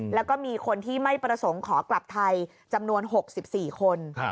แล้วก็มีคนที่ไม่ประสงค์ขอกลับไทยจำนวน๖๔คน